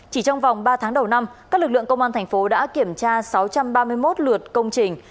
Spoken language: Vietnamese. chỉ trong vòng ba tháng đầu năm các lực lượng công an thành phố đã kiểm tra sáu trăm ba mươi một lượt công trình